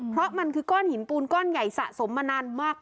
เพราะมันคือก้อนหินปูนก้อนใหญ่สะสมมานานมาก